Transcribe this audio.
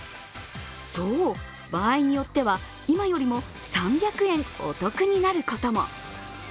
そう、場合によっては今よりも３００円お得になることも。